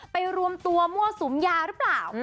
ไปรวมตัวมั่วสุมยารึเปล่า